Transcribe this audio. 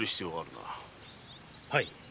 はい。